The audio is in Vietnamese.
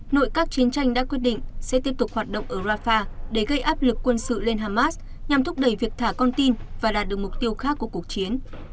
nội các chiến tranh đã quyết định sẽ tiếp tục hoạt động ở rafah để gây áp lực quân sự lên hamas nhằm thúc đẩy việc thả con tin và đạt được mục tiêu khác của cuộc chiến